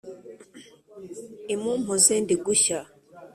imumpoze ndi gushyaaaaaa!”